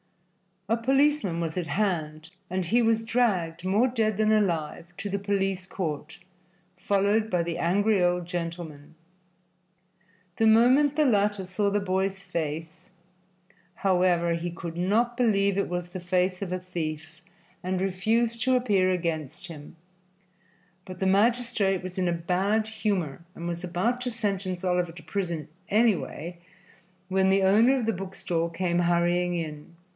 A policeman was at hand and he was dragged, more dead than alive, to the police court, followed by the angry old gentleman. The moment the latter saw the boy's face, however, he could not believe it was the face of a thief, and refused to appear against him, but the magistrate was in a bad humor and was about to sentence Oliver to prison, anyway, when the owner of the book stall came hurrying in.